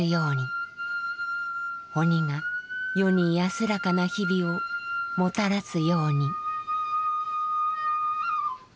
鬼が世に安らかな日々をもたらすように。